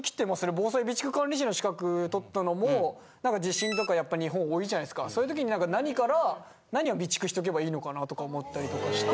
防災備蓄管理士の資格取ったのもなんか地震とかやっぱ日本多いじゃないですかそういうときに何から何を備蓄しとけばいいのかなとか思ったりとかして。